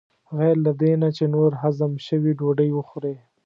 غیر له دې نه چې نور هضم شوي ډوډۍ وخورې.